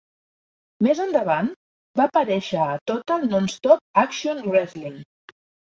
Més endavant, va aparèixer a Total Nonstop Action Wrestling.